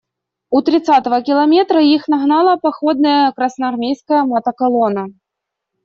У тридцатого километра их нагнала походная красноармейская мотоколонна.